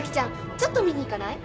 ちょっと見に行かない？